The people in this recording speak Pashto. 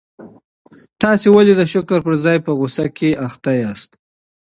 تاسي ولي د شکر پر ځای په غوسه کي بوخت یاست؟